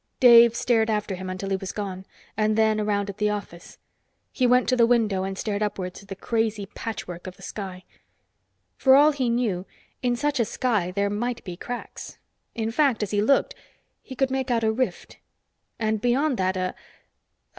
Dave stared after him until he was gone, and then around at the office. He went to the window and stared upwards at the crazy patchwork of the sky. For all he knew, in such a sky there might be cracks. In fact, as he looked, he could make out a rift, and beyond that a